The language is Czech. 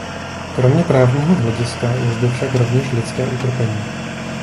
Kromě právního hlediska je zde však rovněž lidské utrpení.